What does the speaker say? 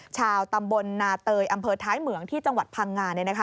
ชาวตำบลนาเตยอำเภอท้ายเหมืองที่จังหวัดพังงา